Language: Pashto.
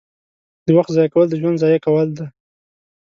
• د وخت ضایع کول د ژوند ضایع کول دي.